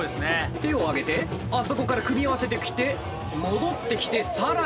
手を上げてそこから組み合わせてきて戻ってきて更に回転。